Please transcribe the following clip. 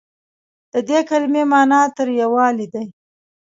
د دې کلمې معني تریوالی دی.